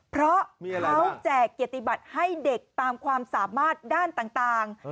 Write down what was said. เพราะเขาแจกเกียรติบัติให้เด็กตามความสามารถด้านต่าง